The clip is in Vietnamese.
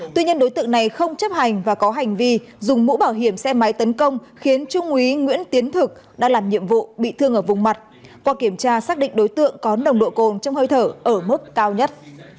tuy nhiên đối tượng này không chấp hành và có hành vi dùng mũ bảo hiểm xe máy tấn công khiến trung úy nguyễn tiến thực đã làm nhiệm vụ bị thương ở vùng mặt qua kiểm tra xác định đối tượng có nồng độ cồn trong hơi thở ở mức cao nhất